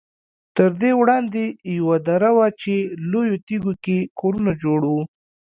تر دې وړاندې یوه دره وه چې لویو تیږو کې کورونه جوړ وو.